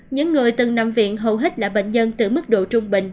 những người từng nằm viện hầu hết là bệnh nhân từ mức độ trung bình